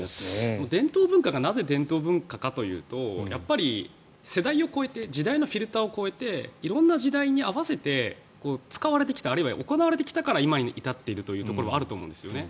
伝統文化がなぜ伝統文化かというとやっぱり世代を超えて時代のフィルターを超えて色んな時代に合わせて使われてきたあるいは行われてきたから今に至っているというところはあると思うんですね。